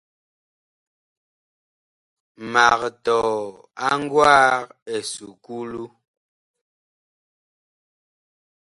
Mag tɔɔ a ngwaag esukulu.